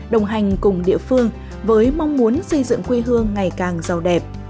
đồng hành cùng địa phương với mong muốn xây dựng quê hương ngày càng giàu đẹp